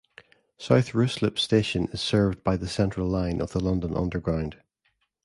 South Ruislip station is served by the Central line of the London Underground.